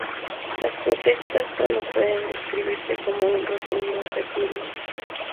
Las protestas sólo pueden describirse como un rotundo repudio